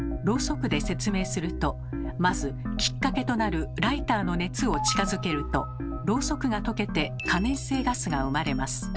ろうそくで説明するとまずきっかけとなるライターの熱を近づけるとろうそくが溶けて可燃性ガスが生まれます。